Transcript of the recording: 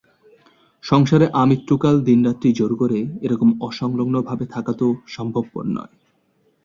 সংসারে আমৃত্যুকাল দিনরাত্রি জোর করে এরকম অসংলগ্নভাবে থাকা তো সম্ভবপর নয়।